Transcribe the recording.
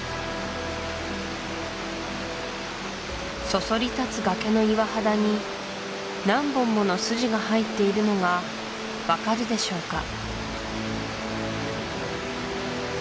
そそり立つ崖の岩肌に何本もの筋が入っているのが分かるでしょうか